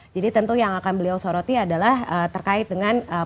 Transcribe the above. jadi tentu yang akan beliau soroti adalah terkait dengan program program yang sudah dijalankan